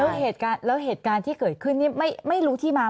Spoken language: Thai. แล้วเหตุการณ์แล้วเหตุการณ์ที่เกิดขึ้นนี่ไม่รู้ที่มา